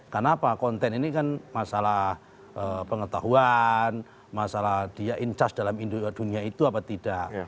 karena apa konten ini kan masalah pengetahuan masalah dia in charge dalam dunia itu apa tidak